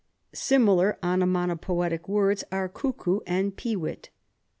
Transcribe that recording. (Similar onomatopoetic words are cuckoo and peewit.)